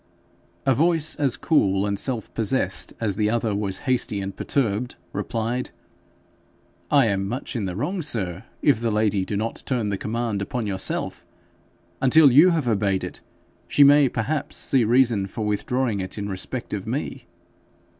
A voice as cool and self possessed as the other was hasty and perturbed, replied, 'I am much in the wrong, sir, if the lady do not turn the command upon yourself. Until you have obeyed it, she may perhaps see reason for withdrawing it in respect of me.'